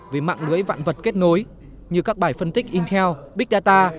với mạng lưới vạn vật kết nối như các bài phân tích intel big data